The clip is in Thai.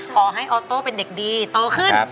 ออโต้เป็นเด็กดีโตขึ้น